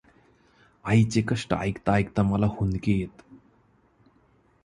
आईचे कष्ट ऐकता ऐकता मला हुंदके येत.